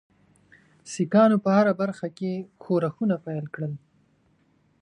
سیکهانو په هره برخه کې ښورښونه پیل کړل.